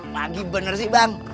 pagi bener sih bang